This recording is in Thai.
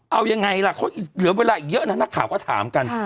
เอายังไงล่ะเขาเหลือเวลาอีกเยอะนะนักข่าวก็ถามกัน